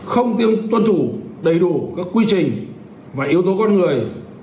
không tuân thủ đầy đủ các quy trình và yếu tố con người